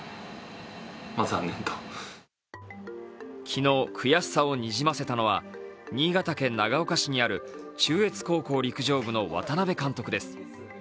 昨日、悔しさをにじませたのは、新潟県長岡市にある中越高校陸上部の渡辺監督です。